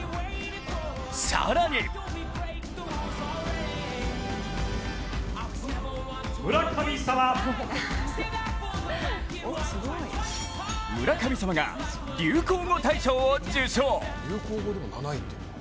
更に「村神様」が流行語大賞を受賞。